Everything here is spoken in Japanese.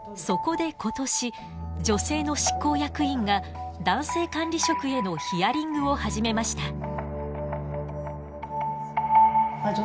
そこで今年女性の執行役員が男性管理職へのヒアリングを始めました。